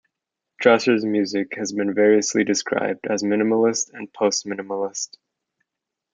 Dresher's music has been variously described as minimalist and postminimalist.